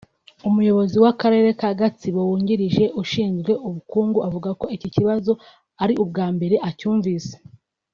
umuyobozi w’akarere ka Gatsibo wungirije ushinzwe ubukungu avuga ko iki kibazo ari ubwa mbere acyumvise